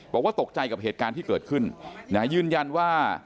บอกว่าตกใจกับเหตุการณ์ที่เกิดขึ้นยืนยันว่า